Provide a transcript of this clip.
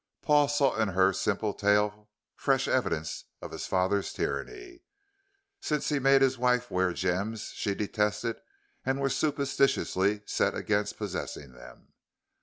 Paul saw in her simple tale fresh evidence of his father's tyranny, since he made his wife wear gems she detested and was superstitiously set against possessing them.